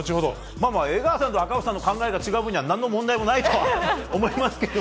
江川さんと赤星さんの考えが違うのには何の問題もないと思いますけど。